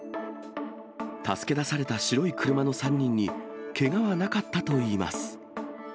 助け出された白い車の３人にけがはなかったといいます。